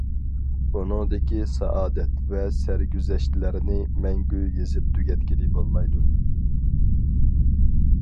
ئۇنىڭدىكى سائادەت ۋە سەرگۈزەشتلەرنى مەڭگۈ يېزىپ تۈگەتكىلى بولمايدۇ.